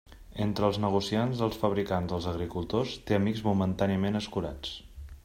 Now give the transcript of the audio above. Entre els negociants, els fabricants, els agricultors, té amics momentàniament escurats.